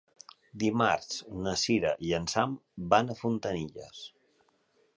Dimarts na Sira i en Sam van a Fontanilles.